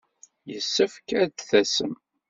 Yessefk ad d-tasem.